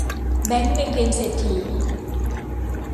แบงก์ในเกมเศรษฐี